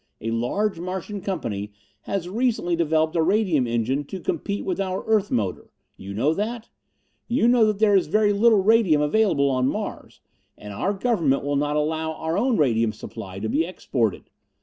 A large Martian Company has recently developed a radium engine to compete with our Earth motor. You know that? You know that there is very little radium available on Mars, and our government will not allow our own radium supply to be exported.